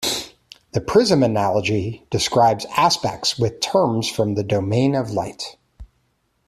The prism analogy describes aspects with terms from the domain of light.